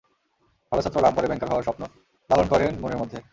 ভালো ছাত্র লাম পরে ব্যাংকার হওয়ার স্বপ্ন লালন করেন মনের মধ্যে।